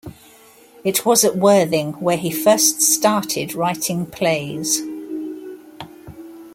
It was at Worthing where he first started writing plays.